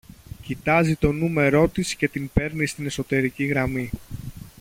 Κοιτάζει το νούμερό της και την παίρνει στην εσωτερική γραμμή